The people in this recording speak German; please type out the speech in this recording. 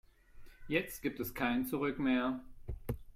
Jetzt gibt es kein Zurück mehr.